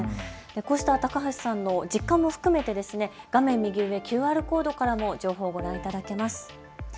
こうしたした高橋さんの実感も含めて画面右上、ＱＲコードからも情報がご覧いただけます。